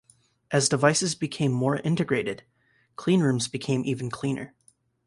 As devices became more integrated, cleanrooms became even cleaner.